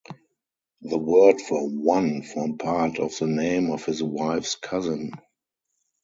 "The word for "one" formed part of the name of his wife's cousin."